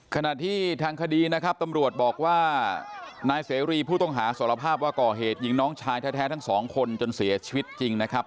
ขณะที่ทางคดีนะครับตำรวจบอกว่านายเสรีผู้ต้องหาสารภาพว่าก่อเหตุยิงน้องชายแท้ทั้งสองคนจนเสียชีวิตจริงนะครับ